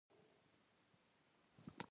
یو کارغه غوښتل چې د عقاب په شان ښکار وکړي.